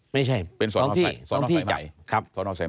ไม่ใช่เป็นสนสายใหญ่